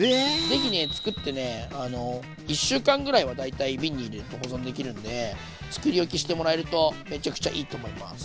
是非作って１週間ぐらいは大体瓶に入れて保存できるんで作り置きしてもらえるとめちゃくちゃいいと思います。